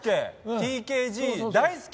ＴＫＧ大好き！